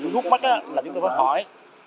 nhưng rút mắt là chúng tôi phải khỏi